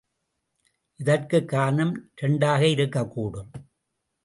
இதற்குக் காரணம் இரண்டாக இருக்கக்கூடும்.